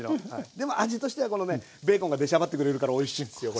でも味としてはこのねベーコンが出しゃばってくれるからおいしいんですよこれ。